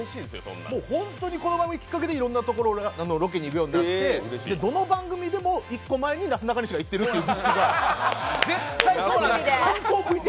ホントにこの番組きっかけでいろんなところにロケに行くようになってどの番組でも１個前になすなかにしが行っているという。